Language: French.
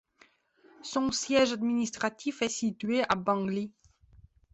Son siège administratif est situé à Bangli.